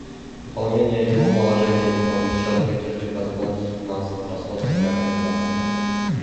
Выполнение его положений не повлечет каких-либо дополнительных финансовых расходов для Организации.